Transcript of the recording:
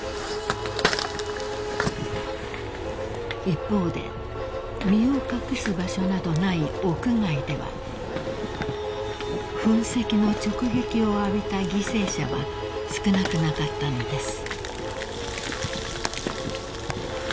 ［一方で身を隠す場所などない屋外では噴石の直撃を浴びた犠牲者は少なくなかったのです］